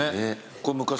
これ昔の。